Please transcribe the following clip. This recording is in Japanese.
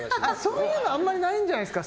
そういうのあんまりないんじゃないですか。